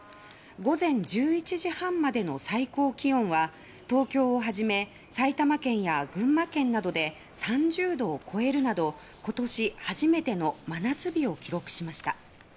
午前１１時半までの最高気温は東京をはじめ埼玉県や群馬県などで３０度を超えるなど今年初めての真夏日を記録しました。